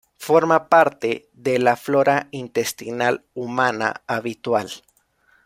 Forma parte de la flora intestinal humana habitual.